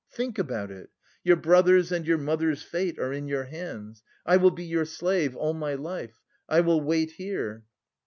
Think about it. Your brother's and your mother's fate are in your hands. I will be your slave... all my life... I will wait here."